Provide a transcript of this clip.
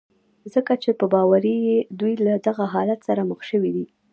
ځکه چې په باور يې دوی له دغه حالت سره مخ شوي دي.